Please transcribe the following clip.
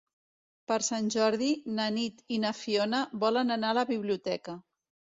Per Sant Jordi na Nit i na Fiona volen anar a la biblioteca.